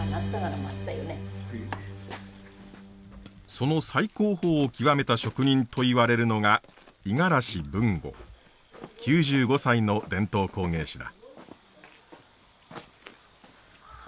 その最高峰を極めた職人といわれるのが９５歳の伝統工芸士だ。